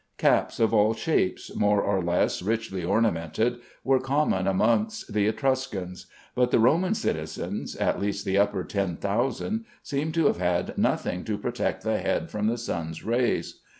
Caps of all shapes, more or less richly ornamented, were common amongst the Etruscans; but the Roman citizens (at least the upper ten thousand) seem to have had nothing to protect the head from the sun's rays.